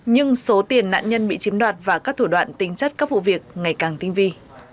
nhưng số tiền nạn nhân bị chiếm đoạt và các thủ đoạn tính chất các vụ việc ngày càng tinh vi